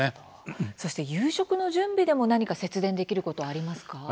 そして夕食の準備でも何か節電できることはありますか？